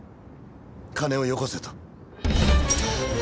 金をよこせと。